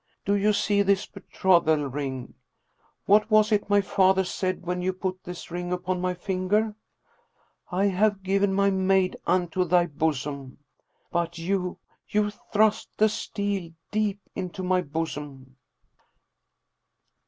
" Do you see this betrothal ring? What was it my father said when you put this ring upon my finger? ' I have given my maid unto thy bosom! ' But you, you thrust the steel deep into my bosom!